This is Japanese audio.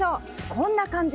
こんな感じ。